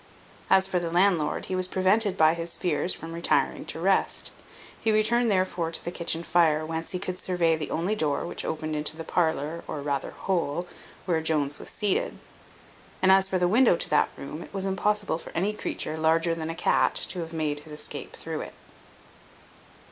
As for the landlord, he was prevented by his fears from retiring to rest. He returned therefore to the kitchen fire, whence he could survey the only door which opened into the parlour, or rather hole, where Jones was seated; and as for the window to that room, it was impossible for any creature larger than a cat to have made his escape through it.